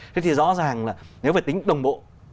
thế thì rõ ràng là nếu phải tính đồng bộ